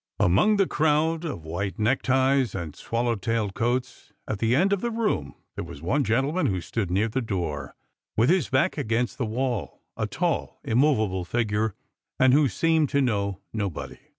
Among the crowd of white neckties and swallow tailed coati Strangers and Pilgrims. 201 at the end of tlie room, there was one gentleman who stood near tho door, with his back against the wall, a tall immovable figare, and who seemed to know nobody.